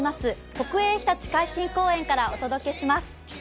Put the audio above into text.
国営ひたち海浜公園からお届けします。